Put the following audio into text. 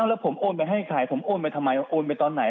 แล้วผมโอนไปให้ใครผมโอนไปทำไมโอนไปตอนไหน